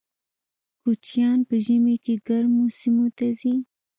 کوچیان په ژمي کې ګرمو سیمو ته ځي